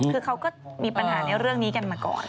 คือเขาก็มีปัญหาในเรื่องนี้กันมาก่อน